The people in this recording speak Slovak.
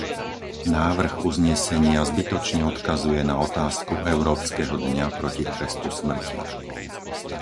Návrh uznesenia zbytočne odkazuje na otázku Európskeho dňa proti trestu smrti.